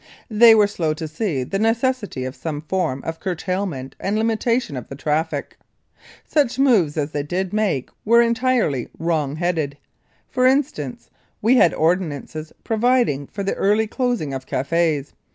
They were slow to see the necessity of some form of curtailment and limitation of the traffic. Such moves as they did make were entirely wrong headed. For instance, we had ordinances providing for the early closing of cafés.